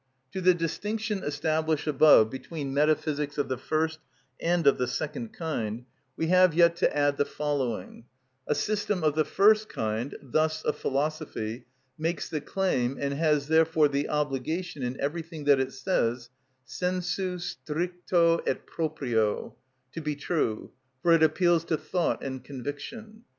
To the distinction established above between metaphysics of the first and of the second kind, we have yet to add the following:—A system of the first kind, thus a philosophy, makes the claim, and has therefore the obligation, in everything that it says, sensu stricto et proprio, to be true, for it appeals to thought and conviction.